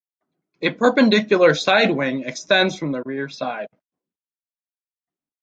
A perpendicular side wing extends from the rear side.